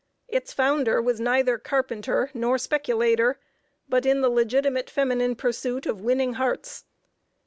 Its founder was neither carpenter nor speculator, but in the legitimate feminine pursuit of winning hearts.